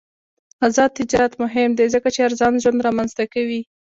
آزاد تجارت مهم دی ځکه چې ارزان ژوند رامنځته کوي.